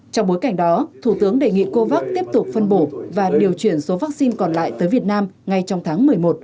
trong bối cảnh đó thủ tướng đề nghị covax tiếp tục phân bổ và điều chuyển số vaccine còn lại tới việt nam ngay trong tháng một mươi một